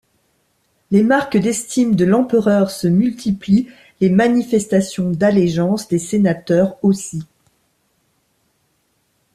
Les marques d’estime de l’empereur se multiplient, les manifestations d’allégeance des sénateurs aussi.